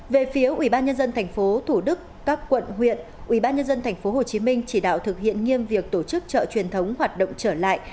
về phía ubnd tp thủ đức các quận huyện ubnd tp hcm chỉ đạo thực hiện nghiêm việc tổ chức chợ truyền thống hoạt động trở lại